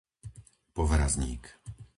Povrazník